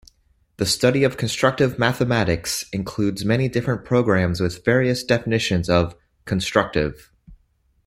The study of constructive mathematics includes many different programs with various definitions of "constructive".